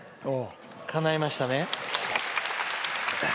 かないましたね。